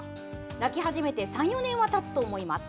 鳴き始めて３４年はたつと思います。